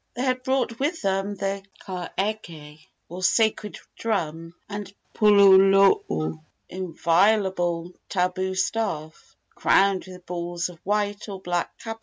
They had brought with them the kaeke, or sacred drum, and puloulou, or inviolable tabu staff, crowned with balls of white or black kapa.